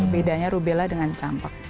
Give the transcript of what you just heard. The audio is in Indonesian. bedanya rubela dengan campak